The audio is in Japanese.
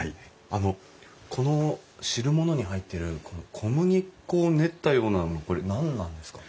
あのこの汁物に入ってるこの小麦粉を練ったようなのこれ何なんですか？